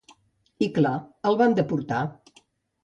I, clar el van deportar.